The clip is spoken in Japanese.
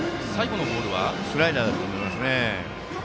スライダーだと思います。